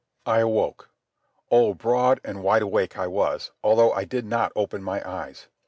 I awoke. Oh, broad and wide awake I was, although I did not open my eyes.